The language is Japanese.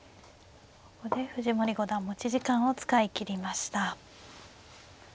ここで藤森五段持ち時間を使い切りました。